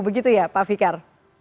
begitu ya pak fikar